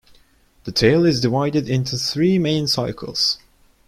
The tale is divided into three main cycles.